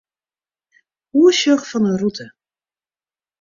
Oersjoch fan 'e rûte.